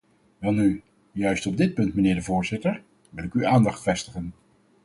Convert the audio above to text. Welnu, juist op dit punt, mijnheer de voorzitter, wil ik uw aandacht vestigen.